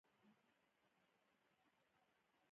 دا د دې هېواد لپاره یوه نېکمرغه دوره ګڼل کېده